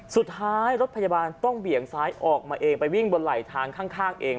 สุดท้ายรถพยาบาลต้องเบี่ยงซ้ายออกมาเองไปวิ่งบนไหลทางข้างเอง